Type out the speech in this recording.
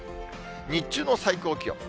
日中の最高気温。